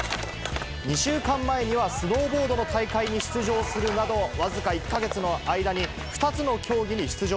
２週間前にはスノーボードの大会に出場するなど、僅か１か月の間に２つの競技に出場。